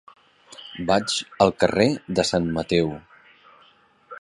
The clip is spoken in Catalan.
Vaig al carrer de Sant Mateu.